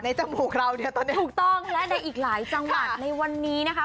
จมูกเราเนี่ยตอนนี้ถูกต้องและในอีกหลายจังหวัดในวันนี้นะคะ